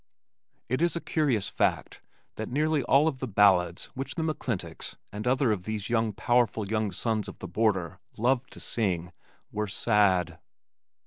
It is a curious fact that nearly all of the ballads which the McClintocks and other of these powerful young sons of the border loved to sing were sad.